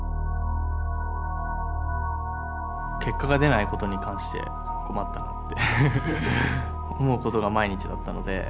結果が出ないことに関して困ったなって思うことが毎日だったので。